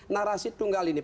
narasi tunggal ini